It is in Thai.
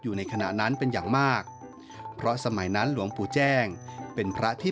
อยู่ในขณะนั้นเป็นอย่างมากเพราะสมัยนั้นหลวงปู่แจ้งเป็นพระที่